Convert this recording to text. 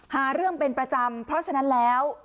หาเรื่องเป็นประจำเพราะฉะนั้นแล้ว